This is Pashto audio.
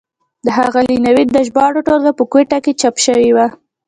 د ښاغلي نوید د ژباړو ټولګه په کوټه کې چاپ شوه.